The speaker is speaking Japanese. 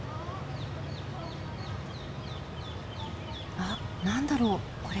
あっ何だろうこれ。